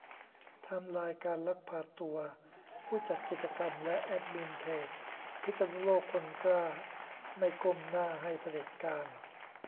ไทม์ไลน์การลักพาตัวผู้จัดกิจกรรมและแอดมินเพจ พิษณุโลกคนกล้าไม่ก้มหน้าให้เผด็จการ